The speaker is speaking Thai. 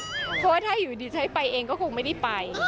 เพราะว่าถ้าอยู่ดีฉันไปเองก็คงไม่ได้ไป